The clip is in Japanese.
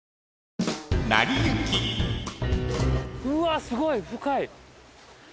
うわっすごい深い！